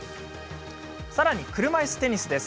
さらに、車いすテニスです。